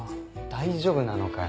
大丈夫なのかよ